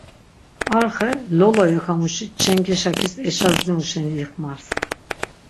Ar xe, lolo yakamuşi çenge şakis eşazdimu şeni ixmars.